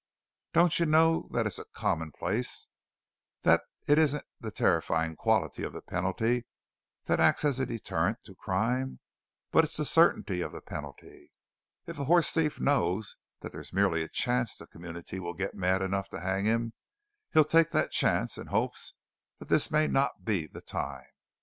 Don't you know that it's a commonplace that it isn't the terrifying quality of the penalty that acts as a deterrent to crime, but it's the certainty of the penalty! If a horse thief knows that there's merely a chance the community will get mad enough to hang him, he'll take that chance in hopes this may not be the time.